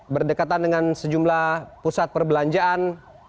berdekatan dengan sejumlah pusat perbelanjaan